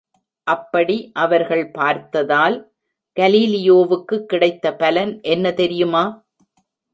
அப்படி அவர்கள் பார்த்ததால் கலீலியோவுக்கு கிடைத்த பலன் என்ன தெரியுமா?